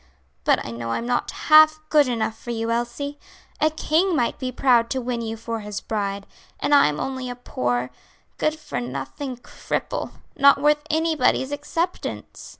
But I know I'm not half good enough for you, Elsie. A king might be proud to win you for his bride, and I'm only a poor, good for nothing cripple, not worth anybody's acceptance."